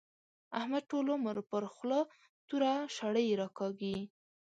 احمد ټول عمر پر خوله توره شړۍ راکاږي.